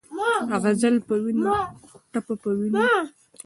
غزل پۀ وینو ، ټپه پۀ وینو